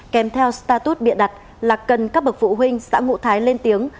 kèm theo status bịa đặt là cần các bậc phụ huynh xã ngũ thái lên tiếng